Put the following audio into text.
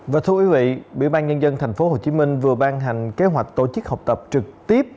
và thưa quý vị bộ y tế tp hcm vừa ban hành kế hoạch tổ chức học tập trực tiếp